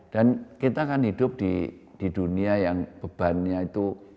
dan kita akan hidup di dunia yang bebannya itu polon